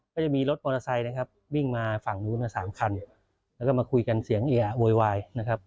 ก็จะมีรถมอเตอร์ไซค์นะครับวิ่งมาฝั่งนู้น๓คันแล้วก็มาคุยกันเสียงเอียโวยวายนะครับ